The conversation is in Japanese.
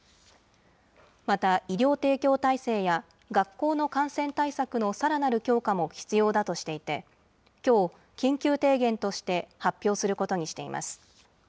また医療提供体制や学校の感染対策のさらなる強化も必要だとしていて、きょう、緊急提言として発表することにしています。